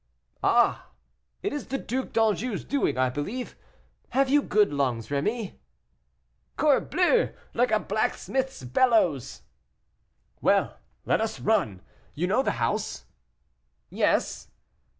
"Ah! it is the Duc d'Anjou's doing, I believe. Have you good lungs, Rémy?" "Corbleu! like a blacksmith's bellows." "Well! let us run. You know the house?" "Yes."